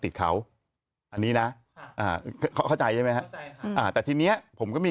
ติดเขาอันนี้นะเขาเข้าใจใช่ไหมฮะอ่าแต่ทีเนี้ยผมก็มี